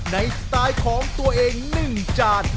ในสไตล์ของตัวเองหนึ่งจาน